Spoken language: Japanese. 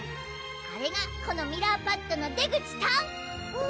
あれがこのミラーパッドの出口トン！